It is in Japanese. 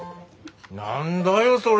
何だよそれ。